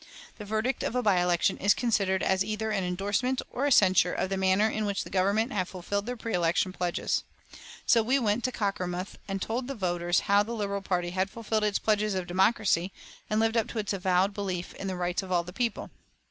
The verdict of a by election is considered as either an indorsement or a censure of the manner in which the Government have fulfilled their pre election pledges. So we went to Cockermouth and told the voters how the Liberal party had fulfilled its pledges of democracy and lived up to its avowed belief in the rights of all the people.